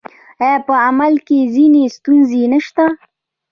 آیا په عمل کې ځینې ستونزې نشته؟